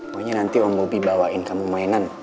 pokoknya nanti om bobi bawain kamu mainan